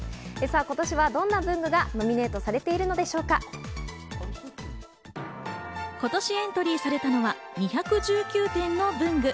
今年はどんな文具がノミネートされている今年エントリーされたのは２１９点の文具。